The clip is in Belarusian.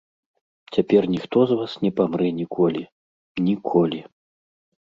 Цяпер ніхто з вас не памрэ ніколі, ніколі.